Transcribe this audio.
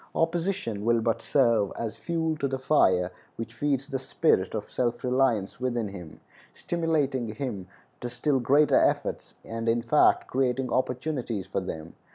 Opposition will but serve as fuel to the fire which feeds the spirit of self reliance within him, stimulating him to still greater efforts, and, in fact, creating opportunities for them.